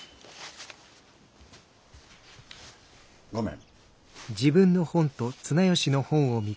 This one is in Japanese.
ごめん。